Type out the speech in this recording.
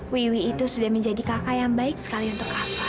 saya sudah menjadi kakak yang baik sekali untuk kakak